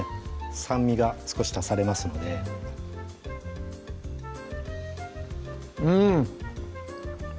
酸味が少し足されますのでうん！